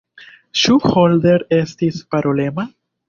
Ĉu Holder estis parolema?